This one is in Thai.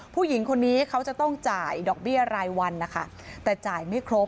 ผู้หญิงคนนี้เขาจะต้องจ่ายดอกเบี้ยรายวันนะคะแต่จ่ายไม่ครบ